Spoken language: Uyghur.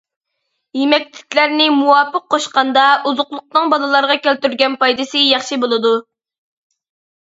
يېمەكلىكلەرنى مۇۋاپىق قوشقاندا، ئوزۇقلۇقنىڭ بالىلارغا كەلتۈرگەن پايدىسى ياخشى بولىدۇ.